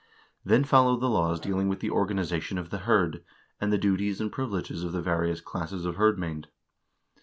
Then follow the laws dealing with the organization of the hird, and the duties and privileges of the various classes of hirdmcend.